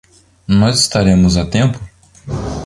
Nós estaremos a tempo?